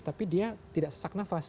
tapi dia tidak sesak nafas